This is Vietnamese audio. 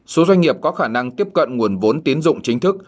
số doanh nghiệp có khả năng tiếp cận nguồn vốn tiến dụng chính thức